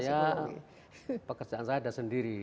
ya pekerjaan saya ada sendiri